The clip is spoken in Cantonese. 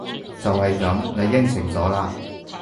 就係噉！你應承咗喇！